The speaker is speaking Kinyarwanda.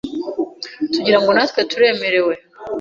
tugira ngo natwe turemerewe.